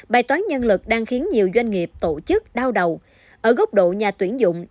bài toán nhân lực đang khiến nhiều doanh nghiệp tổ chức đau đầu ở góc độ nhà tuyển dụng